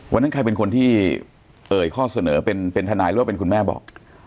วันนั้นใครเป็นคนที่เอ่ยข้อเสนอเป็นทนายหรือว่าเป็นคุณแม่บอก